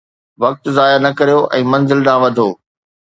وقت ضايع نه ڪريو ۽ منزل ڏانهن وڌو.